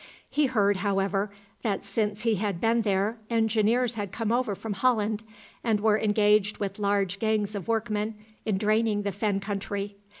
He heard, however, that since he had been there engineers had come over from Holland, and were engaged with large gangs of workmen in draining the fen country.